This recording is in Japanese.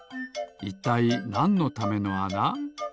いったいなんのためのあな？